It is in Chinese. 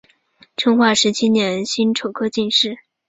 成化十七年辛丑科进士。